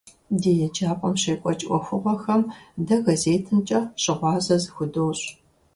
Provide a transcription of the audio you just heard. Ди еджапӏэм щекӏуэкӏ ӏуэхугъуэхэм дэ газетымкӏэ щыгъуазэ зыхудощӏ.